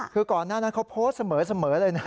คือก่อนหน้านั้นเขาโพสต์เสมอเลยนะ